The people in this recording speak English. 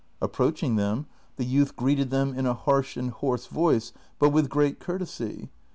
Approach ing them, the youth greeted them in a harsh and hoarse voice but with great courtesy.